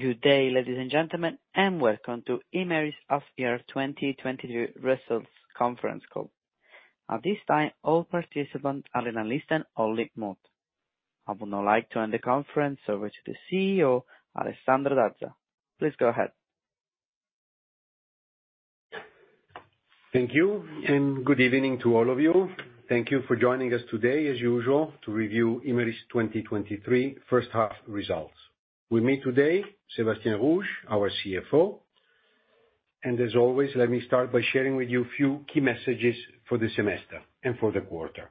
Good day, ladies and gentlemen, welcome to Imerys's Half Year 2022 Results Conference Call. At this time, all participants are in listen-only mode. I would now like to hand the conference over to the CEO, Alessandro Dazza. Please go ahead. Thank you. Good evening to all of you. Thank you for joining us today, as usual, to review Imerys 2023 first half results. With me today, Sébastien Rouge, our CFO, and as always, let me start by sharing with you a few key messages for the semester and for the quarter.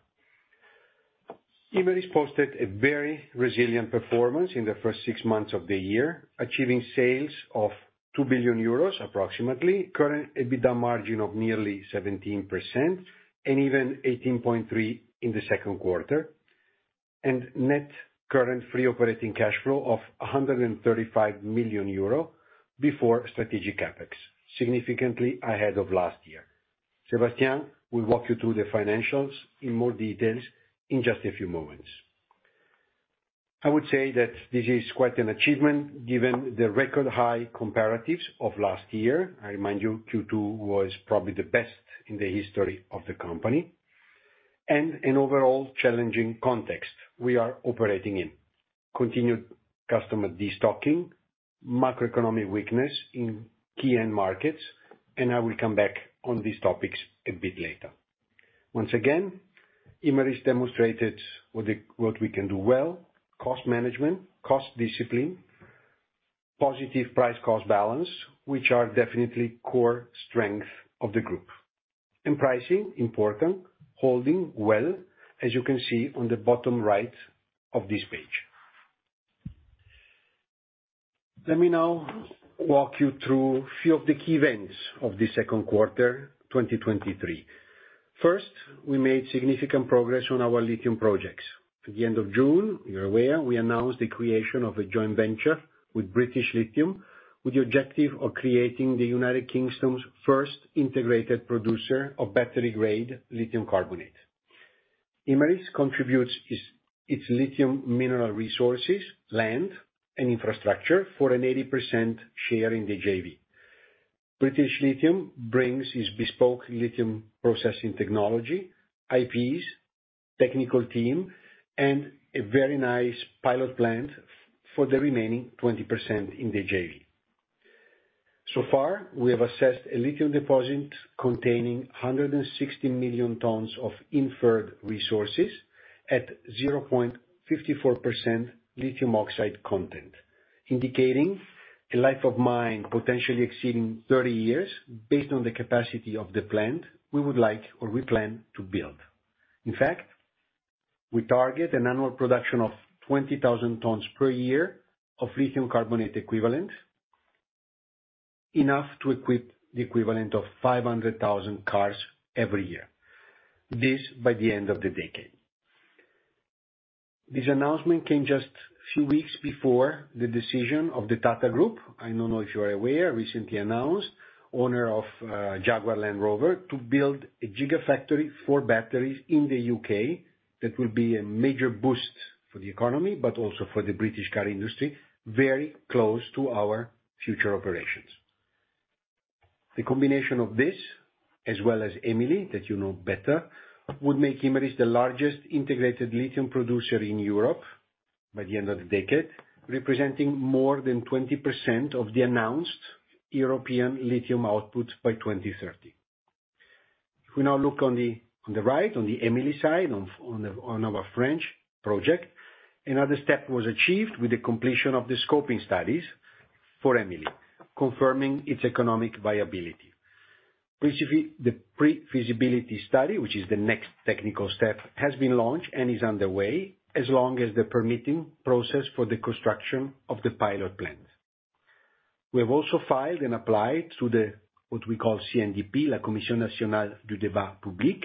Imerys posted a very resilient performance in the first six months of the year, achieving sales of 2 billion euros, approximately, current EBITDA margin of nearly 17%, and even 18.3% in the Q1, and net current free operating cash flow of 135 million euro before strategic CapEx, significantly ahead of last year. Sebastien will walk you through the financials in more details in just a few moments. I would say that this is quite an achievement, given the record high comparatives of last year. I remind you, Q2 was probably the best in the history of the company, an overall challenging context we are operating in. Continued customer destocking, macroeconomic weakness in key end markets, and I will come back on these topics a bit later. Once again, Imerys demonstrated what we can do well, cost management, cost discipline, positive price-cost balance, which are definitely core strength of the group. Pricing, important, holding well, as you can see on the bottom right of this page. Let me now walk you through a few of the key events of the Q1, 2023. First, we made significant progress on our lithium projects. At the end of June, you're aware, we announced the creation of a joint venture with British Lithium, with the objective of creating the United Kingdom's first integrated producer of battery-grade lithium carbonate. Imerys contributes its lithium mineral resources, land, and infrastructure for an 80% share in the JV. British Lithium brings its bespoke lithium processing technology, IPs, technical team, and a very nice pilot plant for the remaining 20% in the JV. We have assessed a lithium deposit containing 160 million tons of inferred resources at 0.54% lithium oxide content, indicating a life of mine potentially exceeding 30 years, based on the capacity of the plant we would like or we plan to build. We target an annual production of 20,000 tons per year of lithium carbonate equivalent, enough to equip the equivalent of 500,000 cars every year. This, by the end of the decade. This announcement came just a few weeks before the decision of the Tata Group. I don't know if you are aware, recently announced, owner of Jaguar Land Rover, to build a gigafactory for batteries in the UK. That will be a major boost for the economy, but also for the British car industry, very close to our future operations. The combination of this, as well as EMILI, that you know better, would make Imerys the largest integrated lithium producer in Europe by the end of the decade, representing more than 20% of the announced European lithium output by 2030. If we now look on the, on the right, on the EMILI side, on, on the, on our French project, another step was achieved with the completion of the scoping studies for EMILI, confirming its economic viability. Basically, the pre-feasibility study, which is the next technical step, has been launched and is underway, as long as the permitting process for the construction of the pilot plant. We have also filed and applied to the, what we call, CNDP, la Commission nationale du débat public,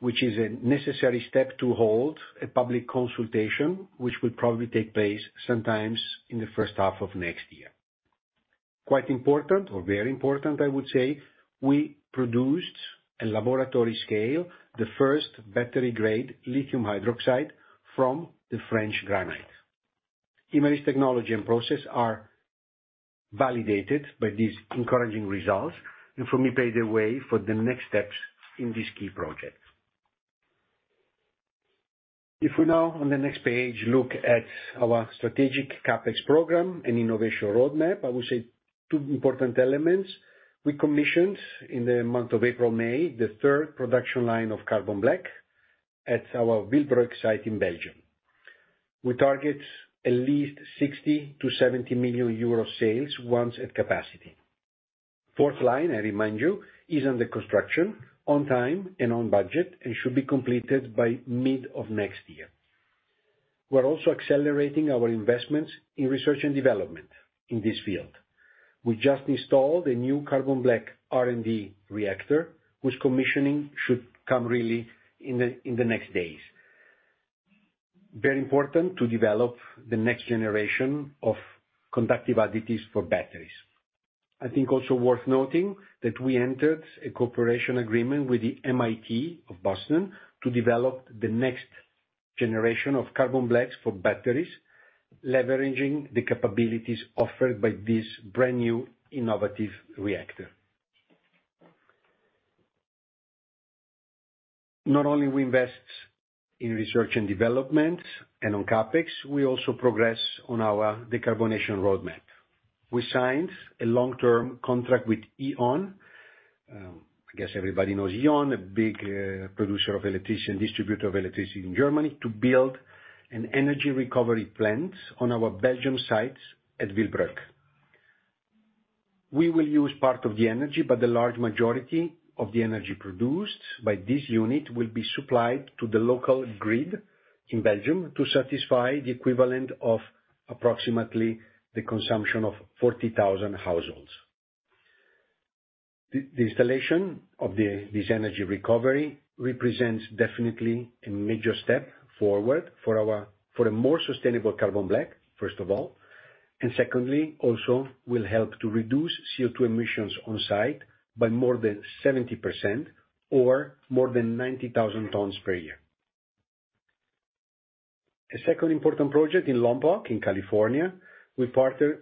which is a necessary step to hold a public consultation, which will probably take place sometimes in the first half of next year. Quite important or very important, I would say, we produced a laboratory scale, the first battery-grade lithium hydroxide from the French granite. Imerys technology and process are validated by these encouraging results, and for me, pave the way for the next steps in this key project. If we now, on the next page, look at our strategic CapEx program and innovation roadmap, I would say two important elements. We commissioned, in the month of April/May, the 3rd production line of carbon black at our Willebroek site in Belgium. We target at least 60 to 70 million sales, once at capacity. 4th line, I remind you, is under construction, on time and on budget, and should be completed by mid of next year. We're also accelerating our investments in research and development in this field. We just installed a new carbon black R&D reactor, which commissioning should come really in the next days. Very important to develop the next generation of conductive additives for batteries. I think also worth noting that we entered a cooperation agreement with the MIT of Boston to develop the next generation of carbon blacks for batteries, leveraging the capabilities offered by this brand new innovative reactor. Not only we invest in research and development and on CapEx, we also progress on our decarbonization roadmap. We signed a long-term contract with E.ON, I guess everybody knows E.ON, a big producer of electricity and distributor of electricity in Germany, to build an energy recovery plant on our Belgium site at Willebroek. We will use part of the energy, the large majority of the energy produced by this unit will be supplied to the local grid in Belgium, to satisfy the equivalent of approximately the consumption of 40,000 households. The installation of this energy recovery represents definitely a major step forward for a more sustainable carbon black, first of all, and secondly, also will help to reduce CO2 emissions on site by more than 70%, or more than 90,000 tons per year. A second important project in Lompoc, in California, we partnered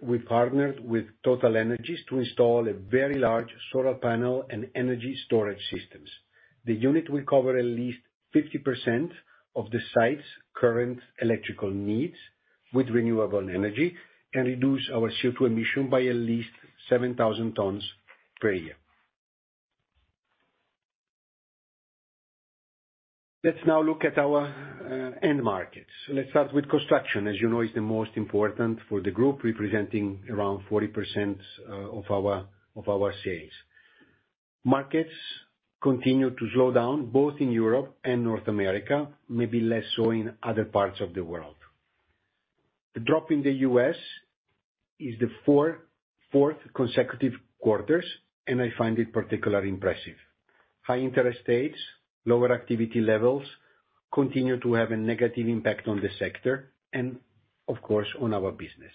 with TotalEnergies to install a very large solar panel and energy storage systems. The unit will cover at least 50% of the site's current electrical needs with renewable energy, and reduce our CO2 emission by at least 7,000 tons per year. Let's now look at our end markets. Let's start with construction. As you know, it's the most important for the group, representing around 40% of our sales. Markets continue to slow down, both in Europe and North America, maybe less so in other parts of the world. The drop in the US is the fourth consecutive quarters, and I find it particularly impressive. High interest rates, lower activity levels, continue to have a negative impact on the sector and, of course, on our business.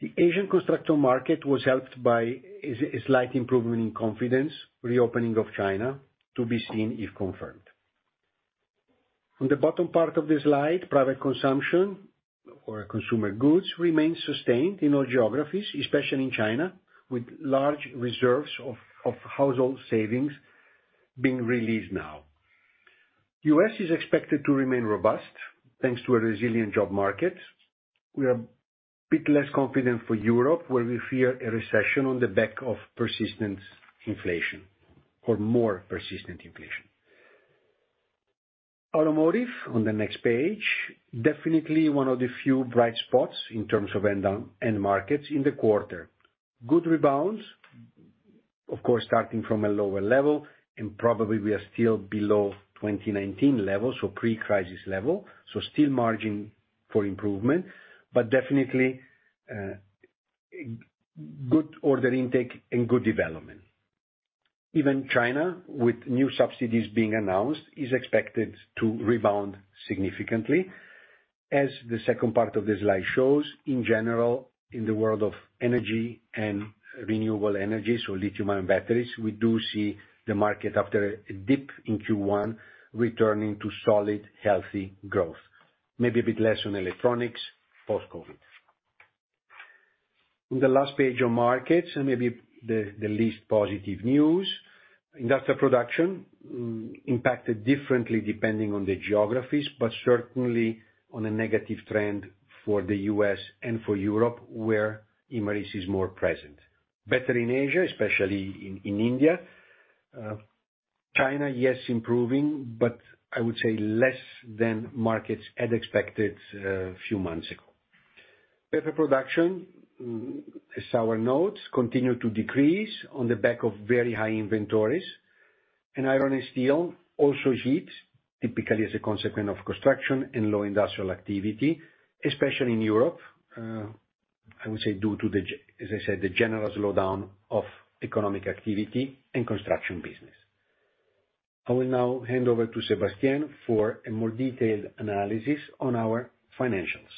The Asian construction market was helped by a slight improvement in confidence, reopening of China, to be seen if confirmed. On the bottom part of the slide, private consumption or consumer goods remain sustained in all geographies, especially in China, with large reserves of household savings being released now. US is expected to remain robust, thanks to a resilient job market. We are a bit less confident for Europe, where we fear a recession on the back of persistent inflation or more persistent inflation. Automotive, on the next page, definitely one of the few bright spots in terms of end markets in the quarter. Good rebounds, of course, starting from a lower level, and probably we are still below 2019 levels, so pre-crisis level, so still margin for improvement, but definitely, good order intake and good development. Even China, with new subsidies being announced, is expected to rebound significantly. As the second part of this slide shows, in general, in the world of energy and renewable energy, so lithium-ion batteries, we do see the market after a dip in Q1, returning to solid, healthy growth, maybe a bit less on electronics, post-COVID. In the last page on markets, maybe the least positive news, industrial production, impacted differently depending on the geographies, certainly on a negative trend for the US and for Europe, where Imerys is more present. Better in Asia, especially in India. China, yes, improving, I would say less than markets had expected, a few months ago. Paper production, as our notes, continue to decrease on the back of very high inventories. Iron and steel also hit, typically as a consequence of construction and low industrial activity, especially in Europe, I would say due to as I said, the general slowdown of economic activity and construction business. I will now hand over to Sébastien for a more detailed analysis on our financials.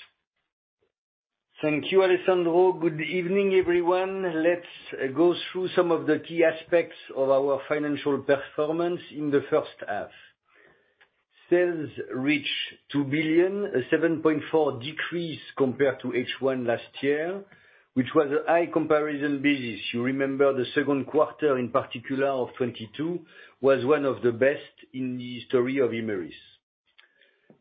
Thank you, Alessandro. Good evening, everyone. Let's go through some of the key aspects of our financial performance in the first half. Sales reached 2 billion, a 7.4% decrease compared to H1 last year, which was a high comparison basis. You remember the Q1, in particular, of 2022, was one of the best in the history of Imerys.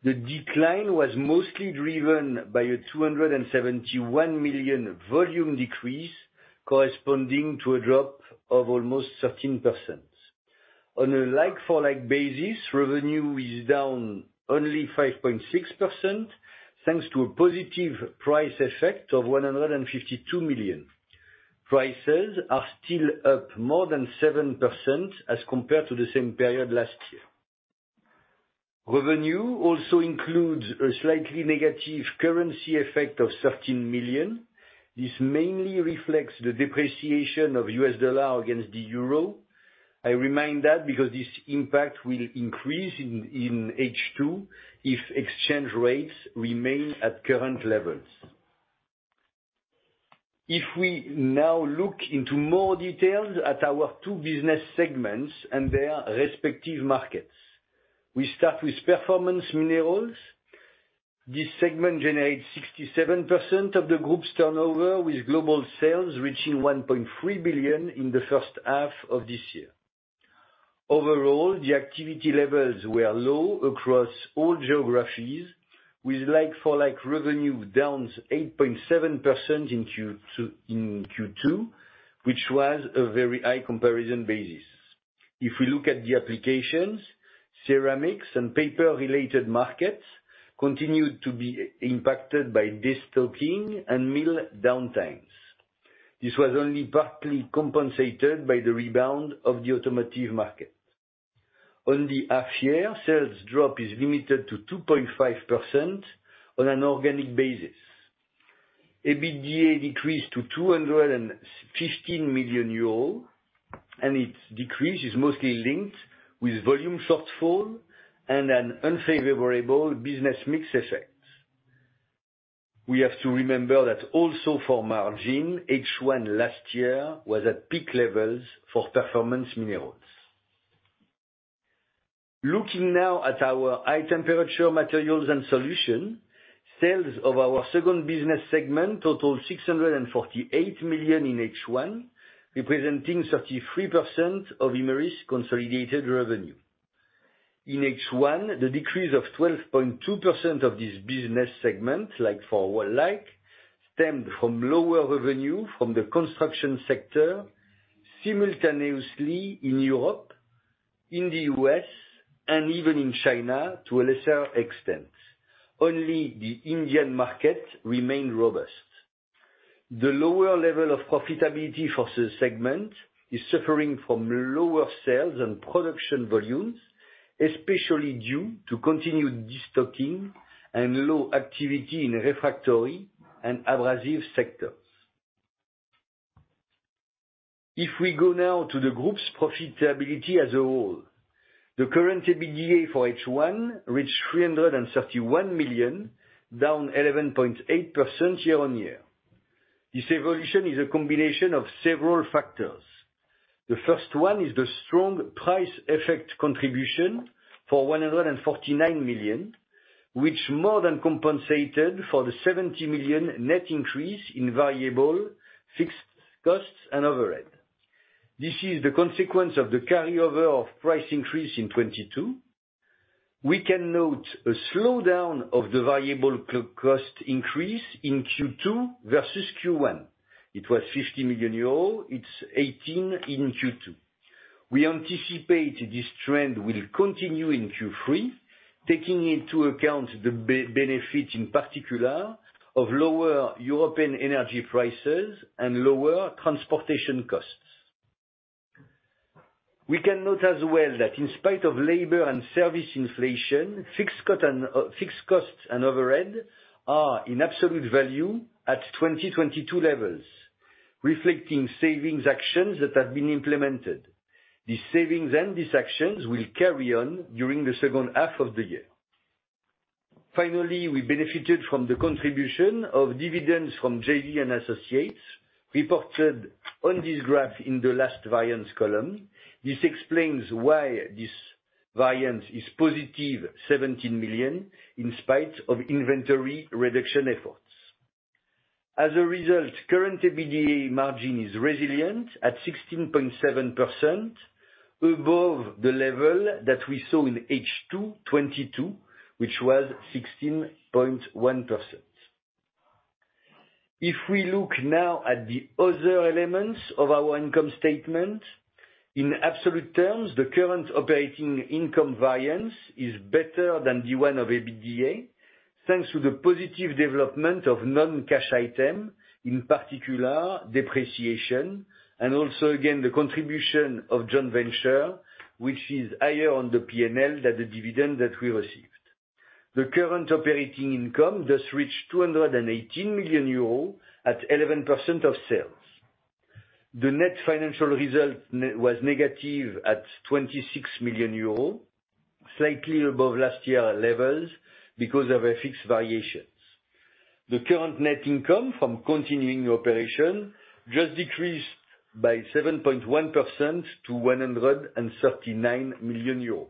The decline was mostly driven by a 271 million volume decrease, corresponding to a drop of almost 13%. On a like for like basis, revenue is down only 5.6%, thanks to a positive price effect of 152 million. Prices are still up more than 7% as compared to the same period last year. Revenue also includes a slightly negative currency effect of 13 million. This mainly reflects the depreciation of US dollar against the euro. I remind that because this impact will increase in H2 if exchange rates remain at current levels. If we now look into more details at our two business segments and their respective markets, we start with Performance Minerals. This segment generates 67% of the group's turnover, with global sales reaching 1.3 billion in the first half of this year. Overall, the activity levels were low across all geographies, with like-for-like revenue down 8.7% in Q2, which was a very high comparison basis. If we look at the applications, ceramics and paper-related markets continued to be impacted by destocking and mill downtimes. This was only partly compensated by the rebound of the automotive market. On the half year, sales drop is limited to 2.5% on an organic basis. EBITDA decreased to 215 million euros, and its decrease is mostly linked with volume shortfall and an unfavorable business mix effect. We have to remember that also for margin, H1 last year was at peak levels for Performance Minerals. Looking now at our High Temperature Materials & Solutions, sales of our second business segment totaled 648 million in H1, representing 33% of Imerys' consolidated revenue. In H1, the decrease of 12.2% of this business segment, like-for-like, stemmed from lower revenue from the construction sector, simultaneously in Europe, in the US, and even in China to a lesser extent. Only the Indian market remained robust. The lower level of profitability for this segment is suffering from lower sales and production volumes, especially due to continued destocking and low activity in refractory and abrasive sectors. We go now to the group's profitability as a whole, the current EBITDA for H1 reached 331 million, down 11.8% year-on-year. This evolution is a combination of several factors. The first one is the strong price effect contribution for 149 million, which more than compensated for the 70 million net increase in variable fixed costs and overhead. This is the consequence of the carryover of price increase in 2022. We can note a slowdown of the variable cost increase in Q2 versus Q1. It was 50 million euros, it's 18 million in Q2. We anticipate this trend will continue in Q3, taking into account the benefit, in particular, of lower European energy prices and lower transportation costs. We can note as well, that in spite of labor and service inflation, fixed costs and overhead are in absolute value at 2022 levels, reflecting savings actions that have been implemented. These savings and these actions will carry on during the second half of the year. Finally, we benefited from the contribution of dividends from JV and Associates, reported on this graph in the last variance column. This explains why this variance is positive 17 million, in spite of inventory reduction efforts. As a result, current EBITDA margin is resilient at 16.7%, above the level that we saw in H2 2022, which was 16.1%. If we look now at the other elements of our income statement, in absolute terms, the current operating income variance is better than the one of EBITDA, thanks to the positive development of non-cash item, in particular, depreciation, and also, again, the contribution of joint venture, which is higher on the P&L than the dividend that we received. The current operating income just reached 218 million euros at 11% of sales. The net financial result was negative at 26 million euros, slightly above last year levels because of FX variations. The current net income from continuing operation just decreased by 7.1% to 139 million euros.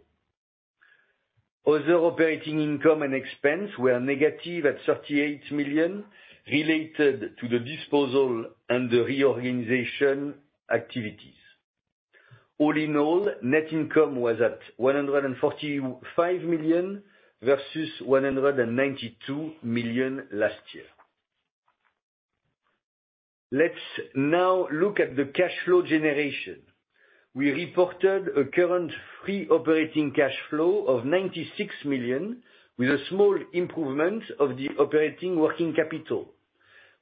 Other operating income and expense were negative at 38 million, related to the disposal and the reorganization activities. All in all, net income was at 145 million, versus 192 million last year. Let's now look at the cash flow generation. We reported a current free operating cash flow of 96 million, with a small improvement of the operating working capital.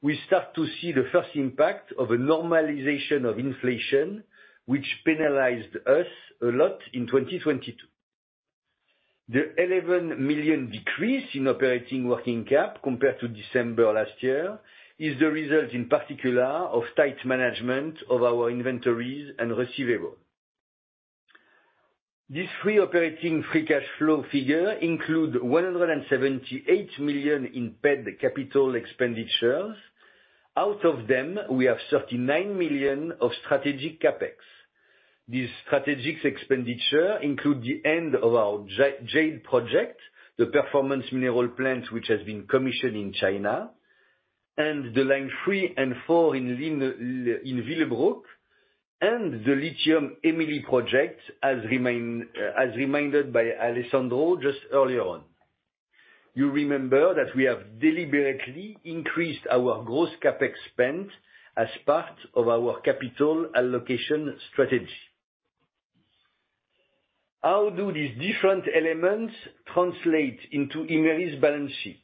We start to see the first impact of a normalization of inflation, which penalized us a lot in 2022. The 11 million decrease in operating working cap compared to December last year, is the result, in particular, of tight management of our inventories and receivables. This free operating free cash flow figure include 178 million in paid capital expenditures. Out of them, we have 39 million of strategic CapEx. This strategic expenditure include the end of our Jade project, the Performance Minerals plant, which has been commissioned in China, and the line 3 and 4 in Willebroek, and the Lithium EMILI project, as reminded by Alessandro just earlier on. You remember that we have deliberately increased our gross CapEx spend as part of our capital allocation strategy. How do these different elements translate into Imerys' balance sheet?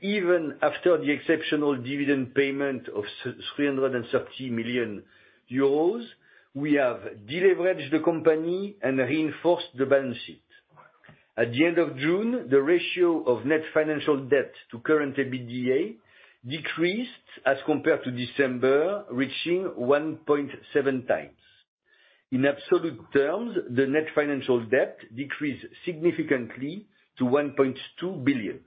Even after the exceptional dividend payment of 330 million euros, we have de-leveraged the company and reinforced the balance sheet. At the end of June, the ratio of net financial debt to current EBITDA decreased as compared to December, reaching 1.7x. In absolute terms, the net financial debt decreased significantly to 1.2 billion.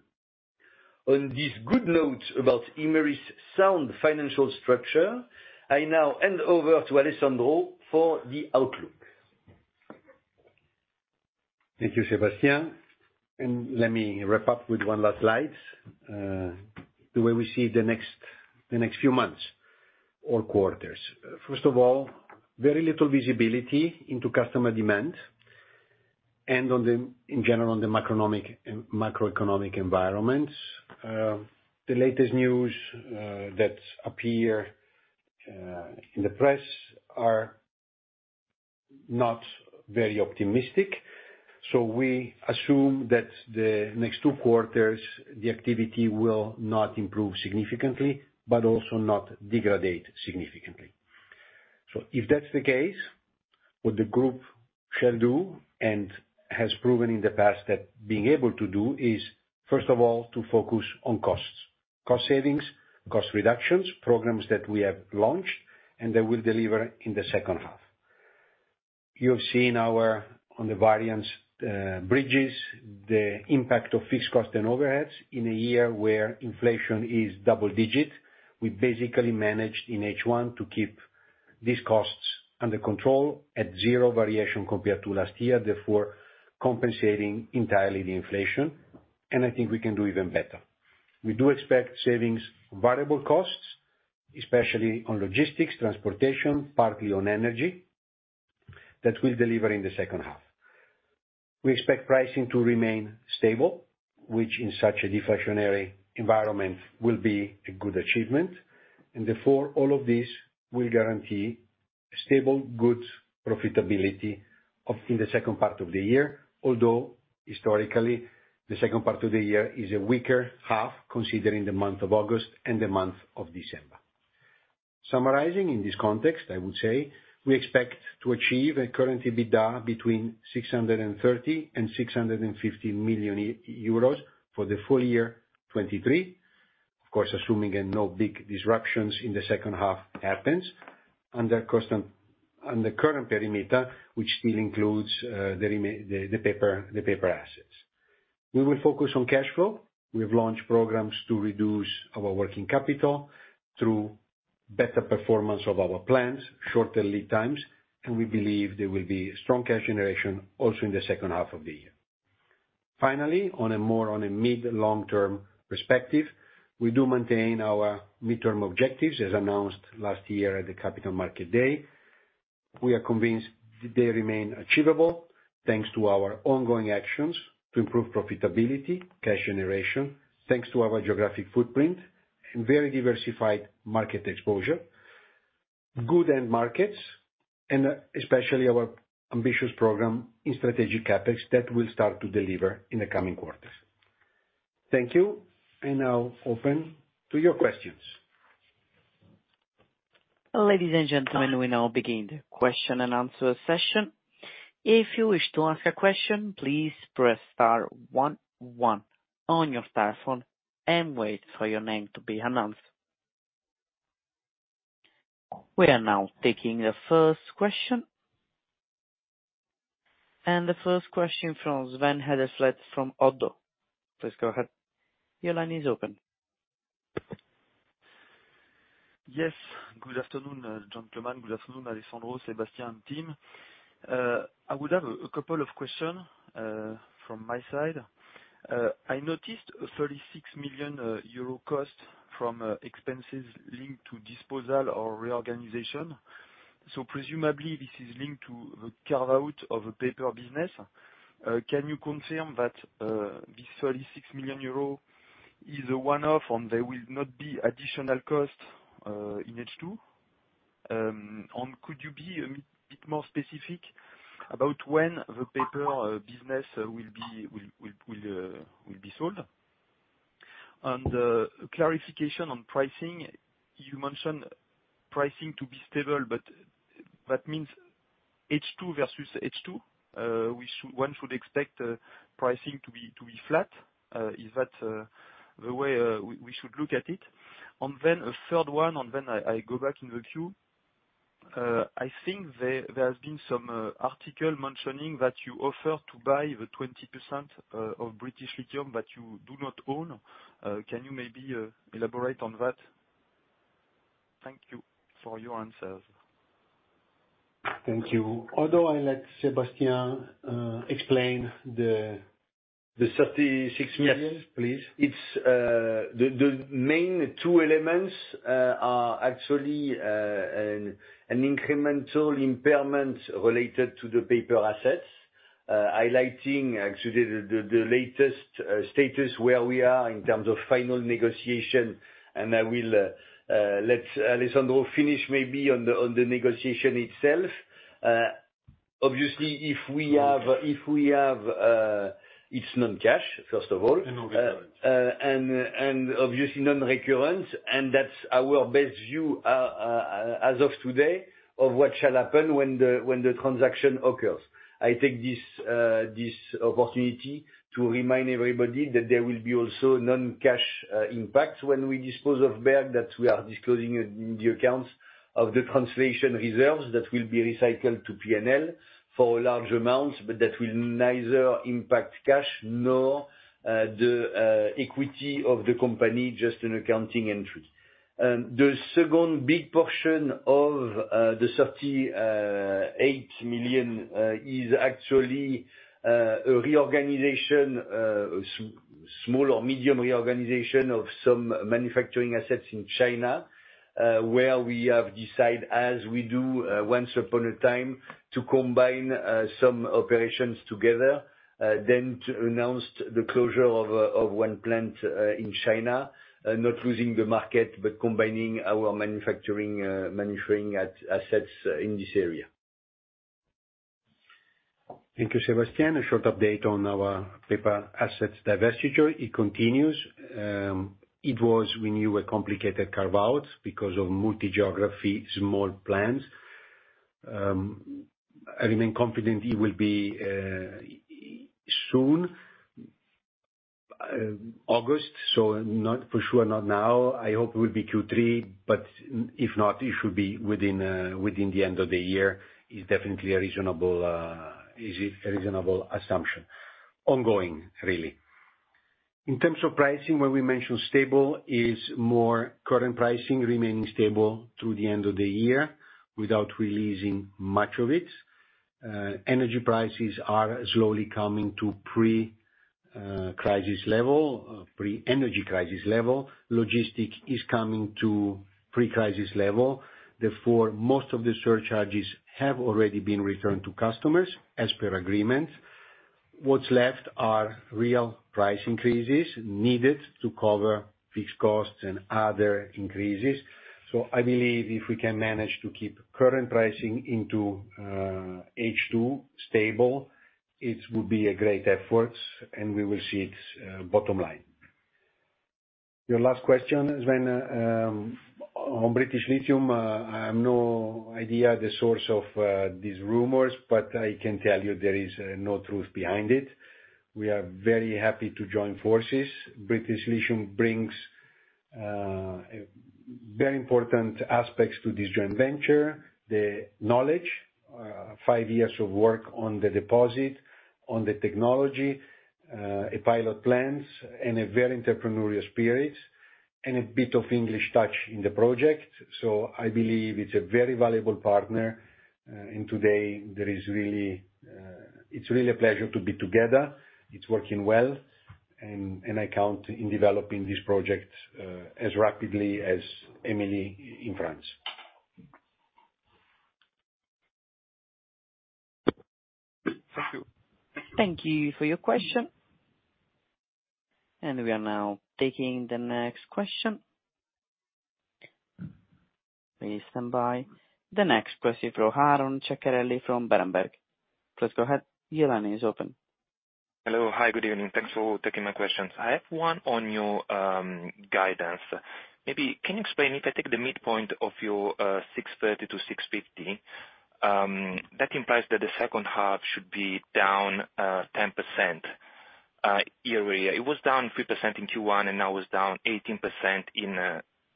On this good note about Imerys' sound financial structure, I now hand over to Alessandro for the outlook. Thank you, Sebastian, and let me wrap up with one last slide. The way we see the next, the next few months or quarters. First of all, very little visibility into customer demand, and on the, in general, on the macroeconomic, macroeconomic environment. The latest news that appear in the press are not very optimistic, so we assume that the next two quarters, the activity will not improve significantly, but also not degrade significantly. If that's the case, what the group shall do, and has proven in the past that being able to do, is, first of all, to focus on costs. Cost savings, cost reductions, programs that we have launched, and that will deliver in the second half. You have seen our, on the variance, bridges, the impact of fixed cost and overheads in a year where inflation is double digit. We basically managed in H1 to keep these costs under control at 0 variation compared to last year, therefore compensating entirely the inflation. I think we can do even better. We do expect savings on variable costs, especially on logistics, transportation, partly on energy, that will deliver in the second half. We expect pricing to remain stable, which in such a deflationary environment will be a good achievement. Therefore, all of this will guarantee stable, good profitability of, in the second part of the year, although historically, the second part of the year is a weaker half, considering the month of August and the month of December. Summarizing in this context, I would say we expect to achieve a current EBITDA between 630 and 650 million for the full year 2023, of course, assuming that no big disruptions in the second half happens, under current perimeter, which still includes the Paper assets. We will focus on cash flow. We have launched programs to reduce our working capital through better performance of our plants, shorter lead times, and we believe there will be strong cash generation also in the second half of the year. Finally, on a more, on a mid, long-term perspective, we do maintain our midterm objectives, as announced last year at the Capital Markets Day. We are convinced they remain achievable, thanks to our ongoing actions to improve profitability, cash generation, thanks to our geographic footprint and very diversified market exposure, good end markets, and especially our ambitious program in strategic CapEx that will start to deliver in the coming quarters. Thank you, and now open to your questions. Ladies and gentlemen, we now begin the question and answer session. If you wish to ask a question, please press star one, one on your telephone and wait for your name to be announced. We are now taking the first question. The first question from Sven Edelfelt from Oddo BHF. Please go ahead. Your line is open. Yes, good afternoon, gentlemen. Good afternoon, Alessandro, Sebastian, team. I would have a couple of question from my side. I noticed a 36 million euro cost from expenses linked to disposal or reorganization, presumably this is linked to the carve-out of a Paper business. Can you confirm that this 36 million euro is a one-off, there will not be additional cost in H2? Could you be a bit more specific about when the Paper business will be sold? Clarification on pricing, you mentioned pricing to be stable, that means H2 versus H2, one should expect pricing to be flat. Is that the way we should look at it? A third one, I go back in the queue. I think there has been some article mentioning that you offer to buy the 20% of British Lithium that you do not own. Can you maybe elaborate on that? Thank you for your answers. Thank you. Although I let Sebastien explain the 36 million. Yes, please. It's the main two elements are actually an incremental impairment related to the Paper assets. Highlighting actually the latest status where we are in terms of final negotiation. I will let Alessandro finish maybe on the negotiation itself. Obviously, if we have, it's non-cash, first of all. Non-recurrent. Obviously non-recurrent, and that's our best view as of today, of what shall happen when the transaction occurs. I take this opportunity to remind everybody that there will be also non-cash impact when we dispose of Paper, that we are disclosing in the accounts of the translation reserves that will be recycled to PNL for large amounts, but that will neither impact cash nor the equity of the company, just an accounting entry. The second big portion of the 38 million is actually a reorganization, small or medium reorganization of some manufacturing assets in China, where we have decided, as we do once upon a time, to combine some operations together, then to announce the closure of one plant in China not losing the market, but combining our manufacturing assets in this area. Thank you, Sebastian. A short update on our Paper assets divestiture. It continues. It was, we knew, a complicated carve-out because of multi-geography, small plans. I remain confident it will be soon, August, so not for sure, not now. I hope it will be Q3, but if not, it should be within the end of the year, is definitely a reasonable, is a reasonable assumption. Ongoing, really. In terms of pricing, when we mention stable, is more current pricing remaining stable through the end of the year, without releasing much of it. Energy prices are slowly coming to pre-crisis level, pre-energy crisis level. Logistic is coming to pre-crisis level. Therefore, most of the surcharges have already been returned to customers, as per agreement. What's left are real price increases needed to cover fixed costs and other increases. I believe if we can manage to keep current pricing into H2 stable, it would be a great effort, and we will see it bottom line. Your last question is when on British Lithium, I have no idea the source of these rumors, but I can tell you there is no truth behind it. We are very happy to join forces. British Lithium brings very important aspects to this joint venture, the knowledge, 5 years of work on the deposit, on the technology, a pilot plans, and a very entrepreneurial spirit, and a bit of English touch in the project. I believe it's a very valuable partner, and today there is really. It's really a pleasure to be together. It's working well, and I count in developing this project as rapidly as EMILI in France. Thank you. Thank you for your question. We are now taking the next question. Please stand by. The next question from Aron Ceccarelli from Berenberg. Please go ahead. Your line is open. Hello. Hi, good evening. Thanks for taking my questions. I have one on your guidance. Maybe can you explain, if I take the midpoint of your 630 to 650, that implies that the second half should be down 10% yearly. It was down 3% in Q1, and now is down 18% in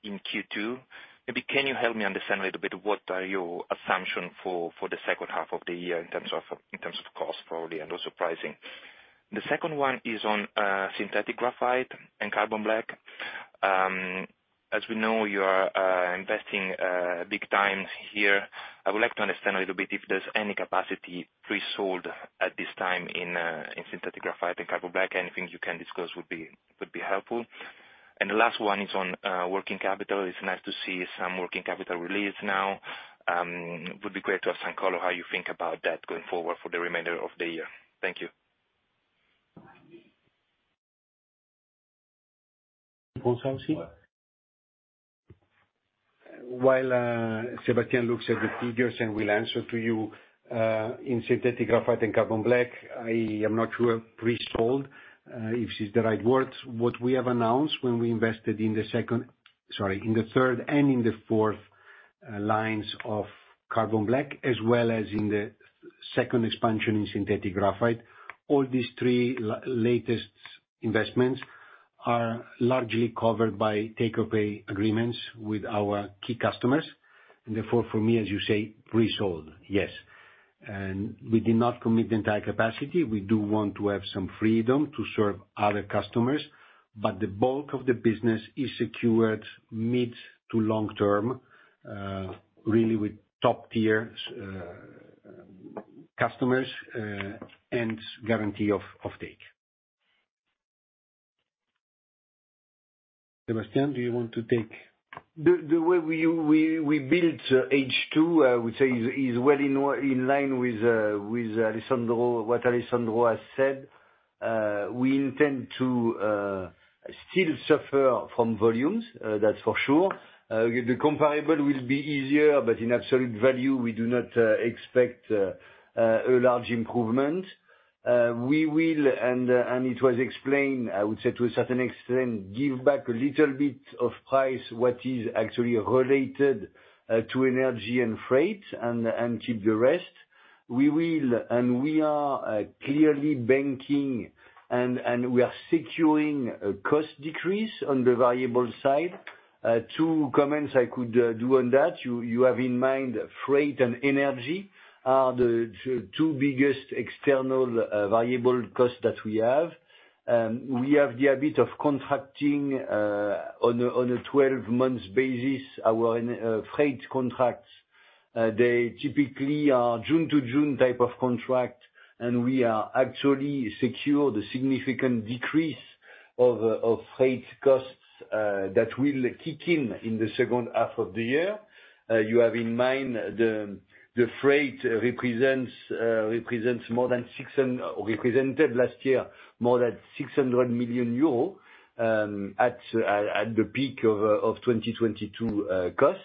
Q2. Maybe can you help me understand a little bit, what are your assumption for the second half of the year in terms of, in terms of cost, probably, and also pricing? The second one is on synthetic graphite and carbon black. As we know, you are investing big time here. I would like to understand a little bit if there's any capacity pre-sold at this time in synthetic graphite and carbon black. Anything you can discuss would be helpful. The last one is on working capital. It's nice to see some working capital release now. Would be great to understand, Carlo, how you think about that going forward for the remainder of the year. Thank you. Alessandro? While Sebastien looks at the figures and will answer to you in synthetic graphite and carbon black, I am not sure pre-sold if it's the right word. What we have announced when we invested in the third and in the fourth lines of carbon black, as well as in the second expansion in synthetic graphite, all these 3 latest investments are largely covered by take-or-pay agreements with our key customers. Therefore, for me, as you say, pre-sold, yes. We did not commit the entire capacity. We do want to have some freedom to serve other customers, but the bulk of the business is secured mid to long term, really with top-tier customers and guarantee of take. Sebastien, do you want to take? The way we built H2, I would say, is well in line with Alessandro, what Alessandro has said. We intend to still suffer from volumes, that's for sure. The comparable will be easier, but in absolute value, we do not expect a large improvement. We will, and it was explained, I would say, to a certain extent, give back a little bit of price, what is actually related to energy and freight, and keep the rest. We will, and we are clearly banking and we are securing a cost decrease on the variable side. Two comments I could do on that. You have in mind, freight and energy are the two biggest external variable costs that we have. We have the habit of contracting on a 12-months basis, our freight contracts. They typically are June to June type of contract, and we are actually secure the significant decrease of freight costs that will kick in in the second half of the year. You have in mind, the freight represented last year, more than 600 million euros at the peak of 2022 costs.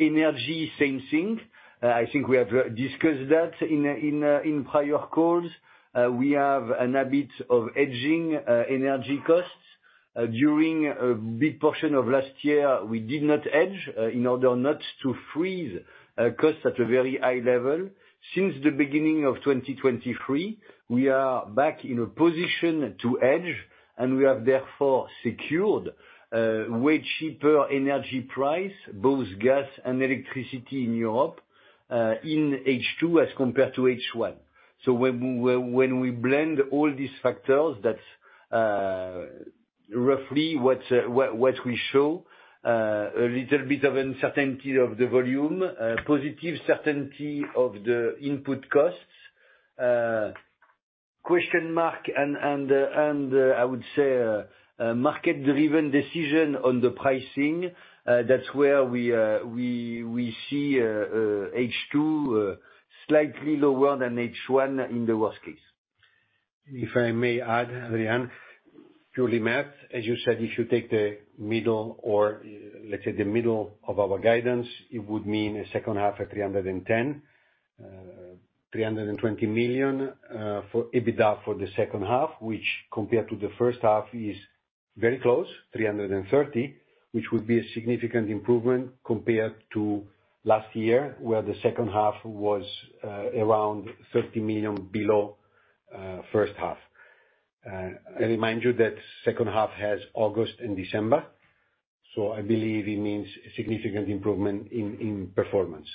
Energy, same thing. I think we have discussed that in prior calls. We have a habit of hedging energy costs. During a big portion of last year, we did not hedge in order not to freeze costs at a very high level. Since the beginning of 2023, we are back in a position to hedge. We have therefore secured way cheaper energy price, both gas and electricity in Europe, in H2 as compared to H1. When we blend all these factors, that's roughly what we show. A little bit of uncertainty of the volume, positive certainty of the input costs. Question mark, and I would say a market-driven decision on the pricing, that's where we see H2 slightly lower than H1 in the worst case. I may add, Adrian, purely math, as you said, if you take the middle or, let's say, the middle of our guidance, it would mean a second half at 310, 320 million for EBITDA for the second half, which compared to the first half, is very close, 330, which would be a significant improvement compared to last year, where the second half was, around 30 million below, first half. I remind you that second half has August and December, I believe it means a significant improvement in, in performance.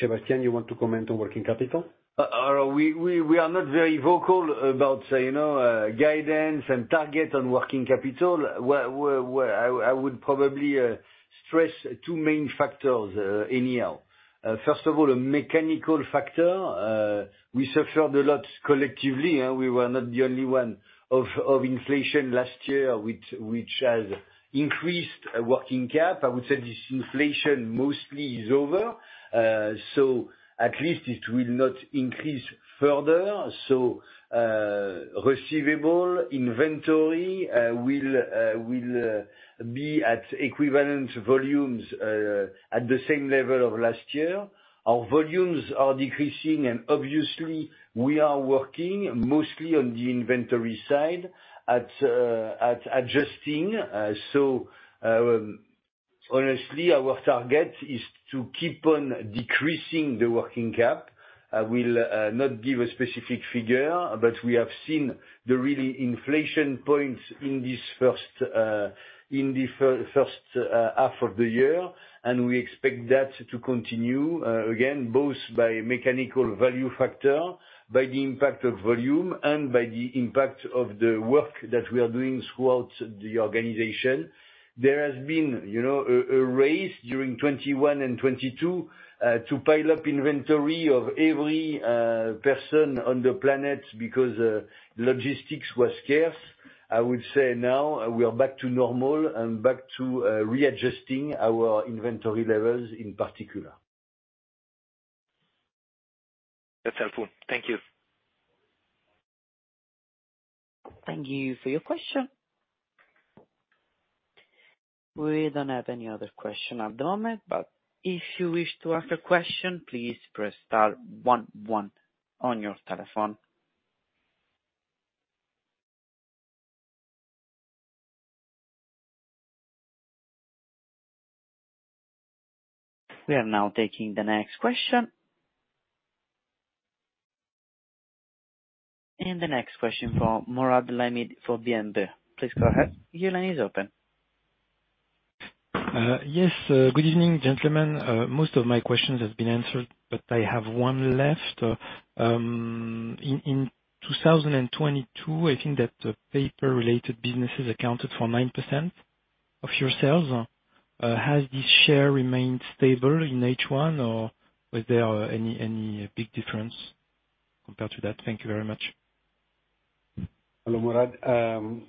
Sebastian, you want to comment on working capital? We are not very vocal about, you know, guidance and target on working capital. I would probably stress 2 main factors anyhow. First of all, a mechanical factor. We suffered a lot collectively, we were not the only one, of inflation last year, which has increased working cap. I would say this inflation mostly is over, so at least it will not increase further. Receivable inventory will be at equivalent volumes at the same level of last year. Our volumes are decreasing, and obviously we are working mostly on the inventory side at adjusting. Honestly, our target is to keep on decreasing the working cap. I will not give a specific figure, but we have seen the really inflation points in this first half of the year, and we expect that to continue again, both by mechanical value factor, by the impact of volume, and by the impact of the work that we are doing throughout the organization. There has been, you know, a raise during 2021 and 2022 to pile up inventory of every person on the planet, because logistics was scarce. I would say now we are back to normal and back to readjusting our inventory levels in particular. That's helpful. Thank you. Thank you for your question. We don't have any other question at the moment, but if you wish to ask a question, please press star one, one on your telephone. We are now taking the next question. The next question from Mourad Lahmidi for BNP. Please go ahead. Your line is open. Yes, good evening, gentlemen. Most of my questions have been answered. I have one left. In 2022, I think that the paper-related businesses accounted for 9% of your sales. Has this share remained stable in H1, or was there any big difference compared to that? Thank you very much. Hello, Mourad.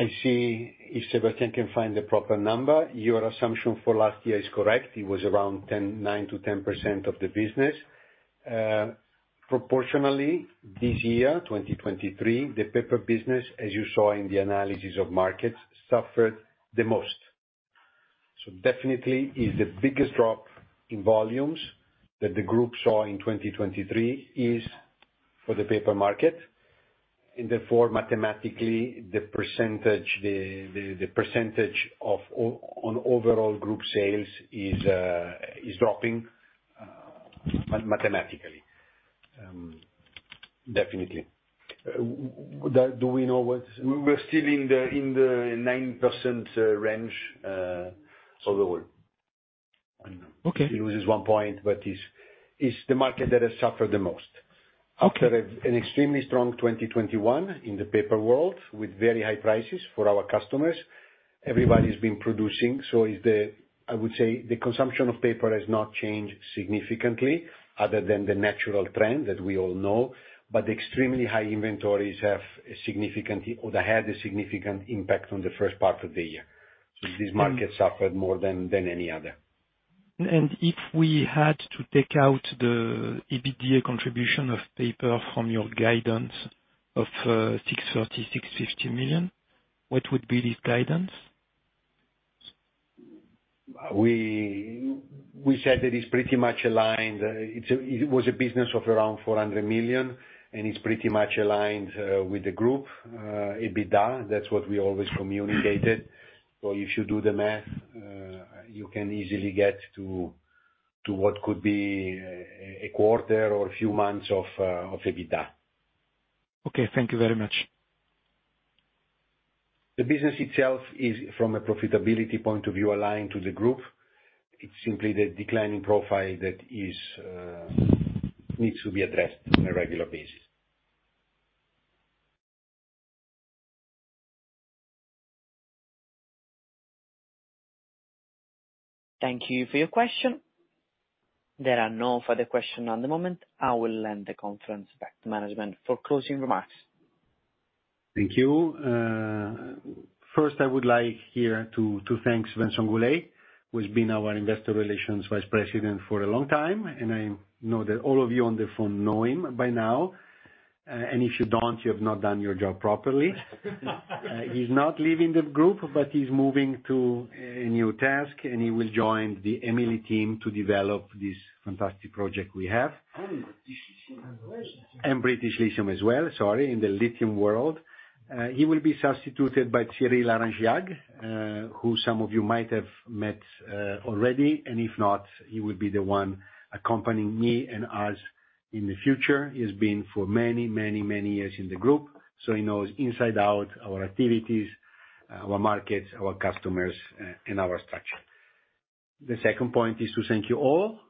I see if Sebastian can find the proper number. Your assumption for last year is correct. It was around 9% to 10% of the business. Proportionally, this year, 2023, the paper business, as you saw in the analysis of markets, suffered the most. Definitely is the biggest drop in volumes that the group saw in 2023 is for the paper market. Therefore mathematically, the percentage on overall group sales is dropping, mathematically. Definitely. Do we know? We're still in the 9% range overall. Okay. It loses one point, but it's the market that has suffered the most. Okay. After an extremely strong 2021 in the paper world, with very high prices for our customers, everybody's been producing. I would say the consumption of paper has not changed significantly, other than the natural trend that we all know. The extremely high inventories have a significant, or they had a significant impact on the first part of the year. This market suffered more than any other. If we had to take out the EBITDA contribution of paper from your guidance of 630 to 650 million, what would be this guidance? We said that it's pretty much aligned. It was a business of around 400 million, and it's pretty much aligned with the group EBITDA. That's what we always communicated. If you do the math, you can easily get to what could be a quarter or a few months of EBITDA. Okay. Thank you very much. The business itself is, from a profitability point of view, aligned to the group. It's simply the declining profile that is, needs to be addressed on a regular basis. Thank you for your question. There are no further question at the moment. I will hand the conference back to management for closing remarks. Thank you. First, I would like here to thank Vincent Gouley, who's been our Investor Relations Vice President for a long time, and I know that all of you on the phone know him by now, and if you don't, you have not done your job properly. He's not leaving the group, but he's moving to a new task, and he will join the EMILI team to develop this fantastic project we have. Congratulations! British Lithium as well, sorry, in the lithium world. He will be substituted by Thierry Laranjeira, who some of you might have met already, and if not, he will be the one accompanying me and us in the future. He's been for many years in the group, so he knows inside out our activities, our markets, our customers, and our structure. The second point is to thank you all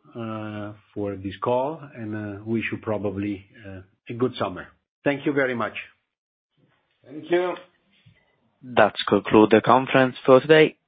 for this call, and wish you probably a good summer. Thank you very much. Thank you. That concludes the conference for today.